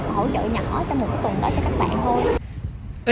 hỗ trợ nhỏ trong một cái tuần đó cho các bạn thôi